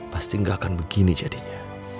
pasti gak akan begini jadinya